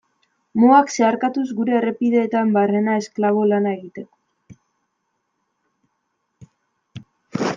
Mugak zeharkatuz gure errepideetan barrena esklabo lana egiteko.